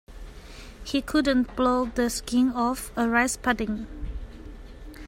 He couldn't blow the skin off a rice pudding.